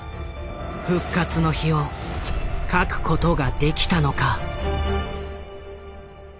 「復活の日」を書くことができたのか。